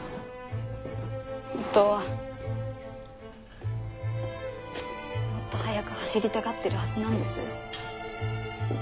本当はもっと速く走りたがってるはずなんです。